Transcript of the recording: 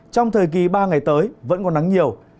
trong thời kỳ ba ngày tới vẫn còn nắng nhiều